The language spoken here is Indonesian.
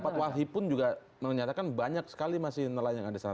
tapi pendapat wajib pun juga menyatakan banyak sekali masih nelayan yang ada di sana